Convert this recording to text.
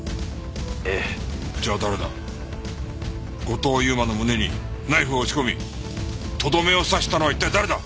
後藤佑馬の胸にナイフを押し込みとどめを刺したのは一体誰だ？